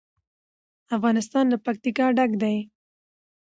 افغانستان له پکتیکا ډک دی.